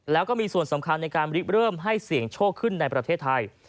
แล้วก็มีส่วนสำคัญในการเริ่มให้เสี่ยงโชคขึ้นในประเทศไทย